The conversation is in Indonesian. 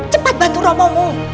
cepat bantu romomu